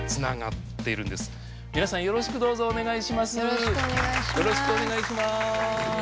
よろしくお願いします。